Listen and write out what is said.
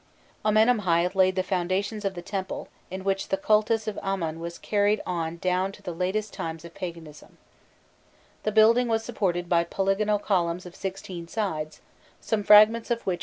Amenemhâît laid the foundations of the temple, in which the cultus of Amon was carried on down to the latest times of paganism. The building was supported by polygonal columns of sixteen sides, some fragments of which are still existing. [Illustration: 381.